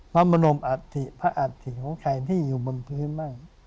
มันเป็นภาคอาฆาตภีร์ของใครที่อยู่บนพื้นบ้าง